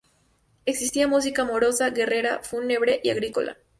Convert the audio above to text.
Existía música amorosa, guerrera, fúnebre y agrícola.